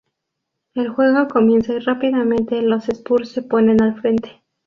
El juego comienza y rápidamente los Spurs se ponen al frente.